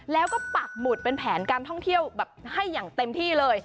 แล้วก็ปักหมุดเป็นแผนการท่องเที่ยวแบบให้อย่างเต็มที่เลย